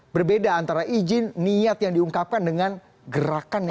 berbeda antara izin niat yang diungkapkan dengan gerakan yang